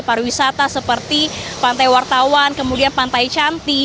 pariwisata seperti pantai wartawan kemudian pantai cantik